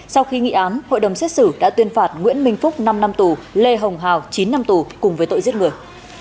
sau khi nghị án hội đồng xét xử đã tuyên phạt nguyễn minh phúc năm năm tù lê hồng hào chín năm tù cùng với tội giết người